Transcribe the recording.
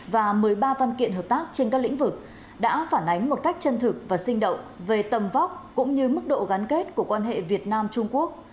và một mươi ba văn kiện hợp tác trên các lĩnh vực đã phản ánh một cách chân thực và sinh động về tầm vóc cũng như mức độ gắn kết của quan hệ việt nam trung quốc